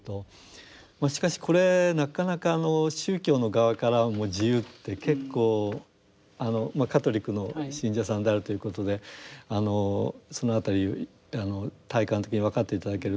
しかしこれなかなか宗教の側からも自由って結構あのカトリックの信者さんであるということであのその辺り体感的に分かって頂けると思うんで。